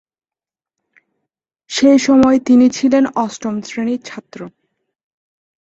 সেই সময়ে তিনি ছিলেন অষ্টম শ্রেণীর ছাত্র।